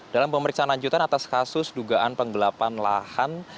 dalam pemeriksaan lanjutan atas kasus dugaan penggelapan lahan